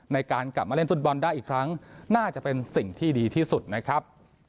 ในการกลับมาเล่นฟุตบอลได้อีกครั้งน่าจะเป็นสิ่งที่ดีที่สุดนะครับ